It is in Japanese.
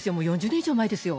４０年以上前ですよ。